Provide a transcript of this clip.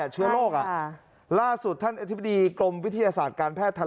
เชื้อโรคล่าสุดท่านอธิบดีกรมวิทยาศาสตร์การแพทย์ทัน